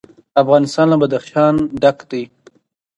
افغانستان له بدخشان ډک دی.